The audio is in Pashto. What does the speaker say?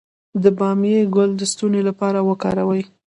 د بامیې ګل د ستوني لپاره وکاروئ